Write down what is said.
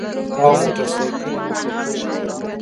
او موټر ساېکلې مخ پۀ پورته تللې ـ